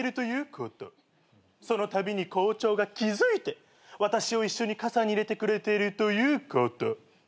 そのたびに校長が気付いて私を一緒に傘に入れてくれているということ。